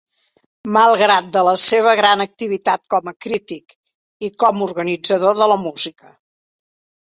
Malgrat de la seva gran activitat com a crític, i com organitzador de la música.